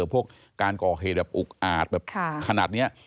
พวกการก่อเหตุแบบอุกอาจแบบขนาดนี้